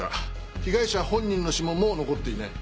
被害者本人の指紋も残っていない。